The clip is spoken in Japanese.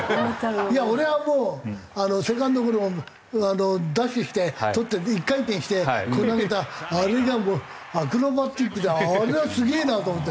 俺はもうセカンドゴロをダッシュして捕って１回転して投げたあれがもうアクロバティックであれはすげえなと思って。